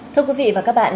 thưa quý vị và các bạn